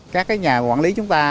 các nhà quản lý chúng ta